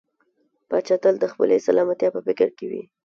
پاچا تل د خپلې سلامتيا په فکر کې وي .